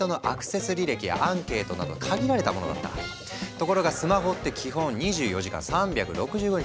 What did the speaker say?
ところがスマホって基本２４時間３６５日